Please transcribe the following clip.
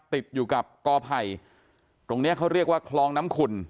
ติดอยู่กับกอไผ่ตรงเนี้ยเขาเรียกว่าคลองน้ำขุ่น